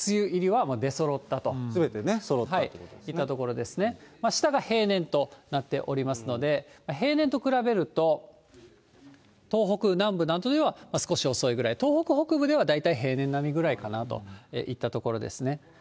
すべてそろったということですね。といったところですね、下が平年となっておりますので、平年と比べる、東北南部などでは少し遅いぐらい、東北北部では大体平年並みくらいかなといったところですね。